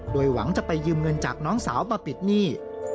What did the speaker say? โดยหวังจะไปยืมเงินจากน้องสาวมาปิดหนี้